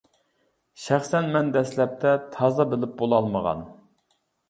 شەخسەن مەن دەسلەپتە تازا بىلىپ بولالمىغان.